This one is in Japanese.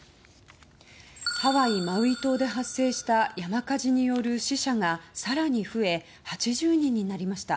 ハワイ・マウイ島で発生した山火事による死者が更に増え８０人になりました。